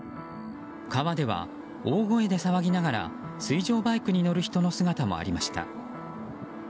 川では大声で騒ぎながら水上バイクに乗る人の姿もありました。